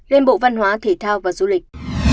lên bộ văn hóa thể thao và du lịch